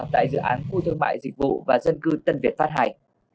tại dự án khu thương mại dịch vụ và dân cư tân việt phát hải